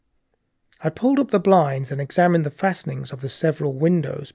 I pulled up the blinds and examined the fastenings of the several windows.